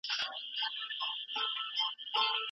ایا ته غواړې چي ستا مننه ستا په عمل کي ښکاره سي؟